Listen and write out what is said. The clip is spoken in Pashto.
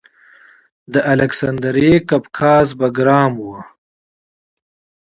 د الکسندریه قفقاز بګرام و